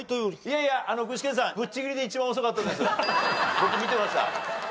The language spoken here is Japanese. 僕見てました。